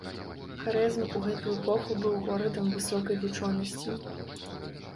Харэзм у гэту эпоху быў горадам высокай вучонасці.